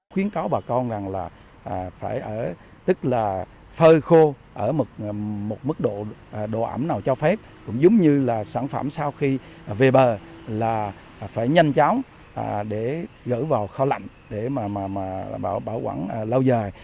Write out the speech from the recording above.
khuyến cáo bà con rằng là phải ở tức là phơi khô ở một mức độ ẩm nào cho phép cũng giống như là sản phẩm sau khi về bờ là phải nhanh chóng để gỡ vào kho lạnh để mà bảo quản lâu dài